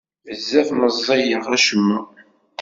Bezzaf meẓẓiyeɣ acemma.